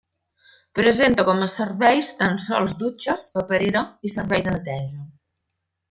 Presenta com a serveis tan sols dutxes, paperera i servei de neteja.